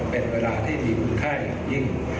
เป็นเวลาที่มีคุณไข้ยิ่ง